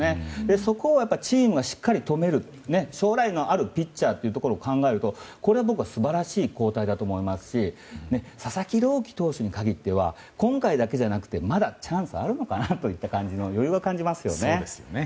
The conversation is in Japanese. そこをチームがしっかり止める将来のあるピッチャーと考えると、これは素晴らしい交代だと思いますし佐々木朗希投手に限っては今回だけじゃなくてまだチャンスがあるのかなといった感じの余裕を感じますね。